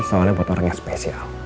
soalnya buat orang yang spesial